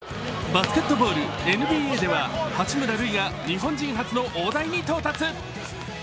バスケットボールＮＢＡでは八村塁が日本人初の大台に到達。